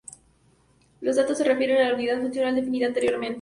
Los datos se refieren a la unidad funcional definida anteriormente.